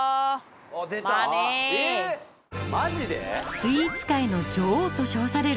スイーツ界の女王としょうされる